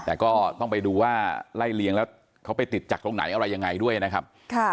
แต่ก็ต้องไปดูว่าไล่เลียงแล้วเขาไปติดจากตรงไหนอะไรยังไงด้วยนะครับ